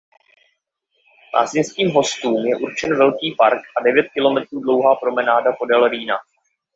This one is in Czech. Lázeňským hostům je určen velký park a devět kilometrů dlouhá promenáda podél Rýna.